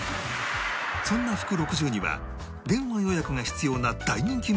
そんな福六十には電話予約が必要な大人気メニューがある